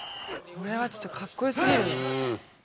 これはちょっとかっこよすぎる。